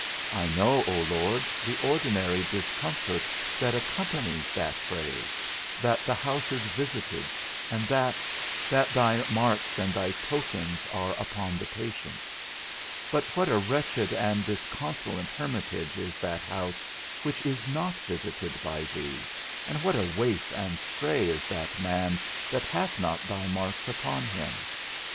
I know, O Lord, the ordinary discomfort that accompanies that phrase, that the house is visited, and that, that thy marks and thy tokens are upon the patient; but what a wretched and disconsolate hermitage is that house which is not visited by thee, and what a waif and stray is that man that hath not thy marks upon him?